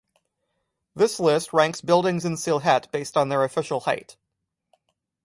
This lists ranks buildings in Sylhet based on their official height.